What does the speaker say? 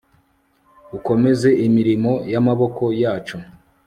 ukomeze imirimo y'amaboko yacu